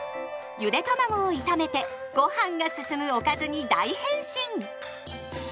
ゆでたまごを炒めてごはんが進むおかずに大変身！